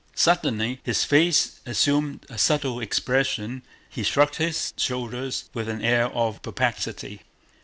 Suddenly his face assumed a subtle expression, he shrugged his shoulders with an air of perplexity.